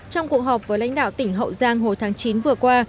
trong cuộc họp với lãnh đạo tỉnh hậu giang hồi tháng chín vừa qua